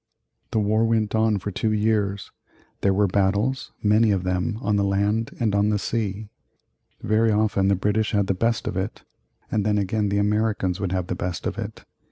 The war went on for two years; there were battles, many of them, on the land and on the sea. Very often the British had the best of it, and then again the Americans would have the best of it.